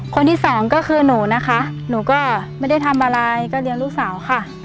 คนที่สองก็คือหนูนะคะหนูก็ไม่ได้ทำอะไรก็เลี้ยงลูกสาวค่ะ